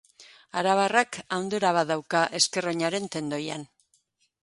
Arabarrak handura bat dauka ezker oinaren tendoian.